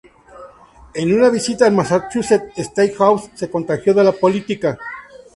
En una visita a la Massachusetts State House se "contagió" de la política.